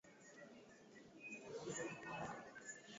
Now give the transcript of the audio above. tukiachana na atp world tour finals